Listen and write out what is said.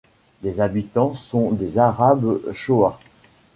Les habitants sont des Arabes choa.